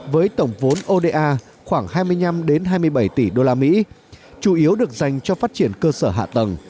với tổng vốn oda khoảng hai mươi năm hai mươi bảy tỷ usd chủ yếu được dành cho phát triển cơ sở hạ tầng